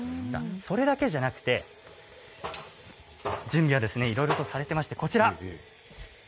それだけじゃなくて、準備はいろいろされていまして、こちら。